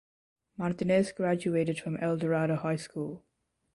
Martinez graduated from Eldorado High School.